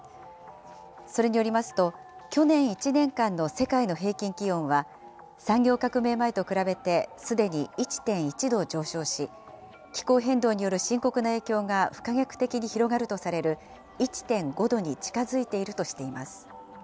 それによりますと、去年１年間の世界の平均気温は、産業革命前と比べてすでに１．１度上昇し、気候変動による深刻な影響が、不可逆的に広がるされる１．５度に近づいているとしています。